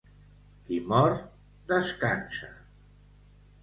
Qui mor, descansa.